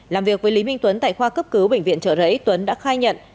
làm việc với lý minh tuấn tại khoa cấp cứu bệnh viện trợ rẫy tuấn đã khai nhận